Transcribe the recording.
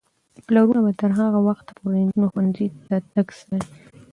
پلرونه به تر هغه وخته پورې د نجونو ښوونځي ته تګ څاري.